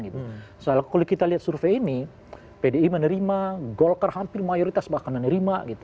kalau kita lihat survei ini pdi menerima golkar hampir mayoritas bahkan menerima